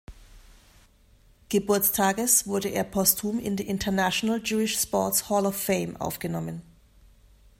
Geburtstages wurde er postum in die International Jewish Sports Hall of Fame aufgenommen.